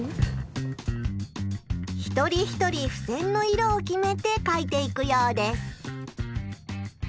一人一人ふせんの色を決めて書いていくようです。